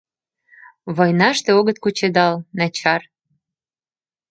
Войнаште огыт кучедал... начар!